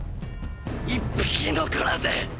一匹残らず！